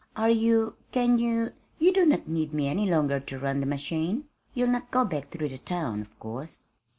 "Are you can you you do not need me any longer to run the machine? You'll not go back through the town, of course."